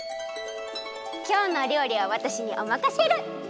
きょうのおりょうりはわたしにおまかシェル！